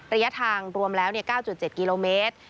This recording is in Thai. ระยะทางรวมแล้ว๙๗กิโลเมตร